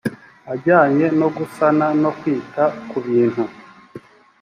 ajyanye no gusana no kwita ku bintu